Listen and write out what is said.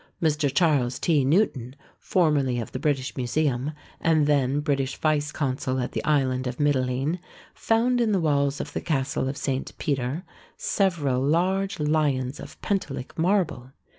Mr. Charles T. Newton, formerly of the British Museum, and then British Vice Consul at the island of Mitylene, found in the walls of the castle of St. Peter several large lions of Pentelic marble.